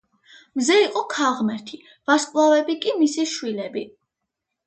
მზე იყო ქალღმერთი ვარსკვლავები კი მისი შვილები.